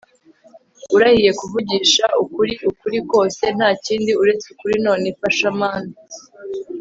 Urahiye kuvugisha ukuri ukuri kose ntakindi uretse ukuri none fasha Mana